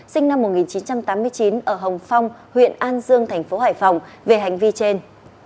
sinh năm một nghìn chín trăm tám mươi chín ở hồng phong huyện an dương thành phố hải phòng về hành vi trên